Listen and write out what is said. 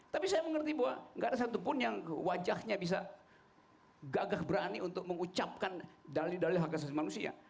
tapi saya mengerti bahwa gak ada satupun yang wajahnya bisa gagah berani untuk mengucapkan dalil dalil hak asasi manusia